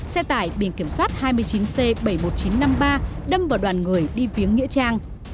xe tải biển kiểm soát hai mươi chín c bảy mươi một nghìn chín trăm năm mươi ba đâm vào đoàn người đi viếng nghĩa trang